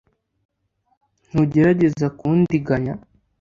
ntugerageze kundiganya